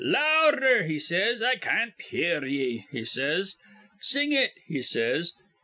'Louder,' he says. 'I can't hear ye,' he says. 'Sing it,' he says.